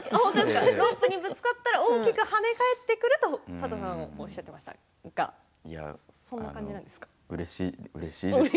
ロープにぶつかったら大きく、はね返ってくると佐藤さん、おっしゃってましたがそんな感じなんですか？